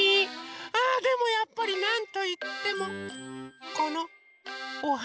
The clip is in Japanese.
あでもやっぱりなんといってもこのおはな。